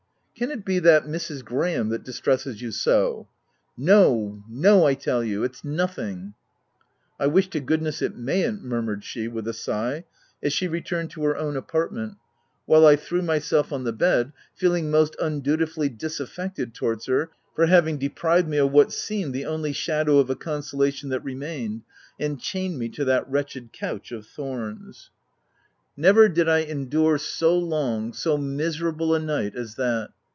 " Can it be that Mrs. Graham that distresses you so V 3 " No, no, I tell you— It's nothing !"" I wish to goodness it mayn't I? murmured she with a sigh, as she returned to her own apartment, while I threw myself on the bed, feeling most undutifully disaffected towards her 222 THE TENANT for having deprived me of what seemed the only shadow of a consolation that remained, and chained me to that wretched couch of thorns. Never did I endure so long, so miserable a night as that.